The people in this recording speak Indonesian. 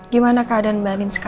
gimana keadaan mbak ninska